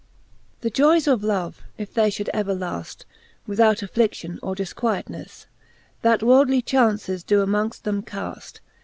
THE joyes of love, if they fliould ever laft, Without afflidion or difquietnefle, That worldly chauuces doe amongft them cafl.